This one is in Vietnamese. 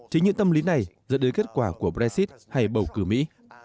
chính những tâm lý này dẫn đến kết quả của brexit hay bầu cử mỹ